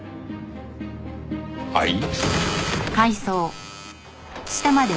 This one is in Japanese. はい？